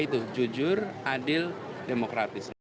itu jujur adil demokratis